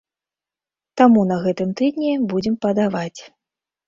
Таму на гэтым тыдні будзем падаваць.